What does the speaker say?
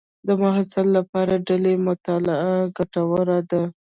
د محصل لپاره ډلې مطالعه ګټوره ده.